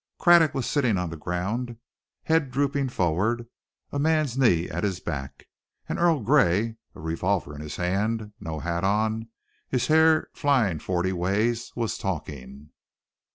Craddock was sitting on the ground, head drooping forward, a man's knee at his back. And Earl Gray, a revolver in his hand, no hat on, his hair flying forty ways, was talking.